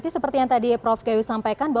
seperti yang tadi prof gayu sampaikan